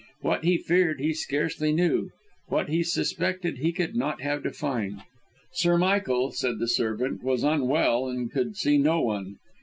What he feared he scarcely knew; what he suspected he could not have defined. Sir Michael, said the servant, was unwell and could see no one.